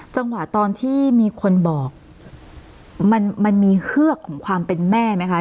จังหวะตอนที่มีคนบอกมันมีเฮือกของความเป็นแม่ไหมคะ